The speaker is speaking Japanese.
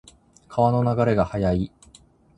川の流れが速い。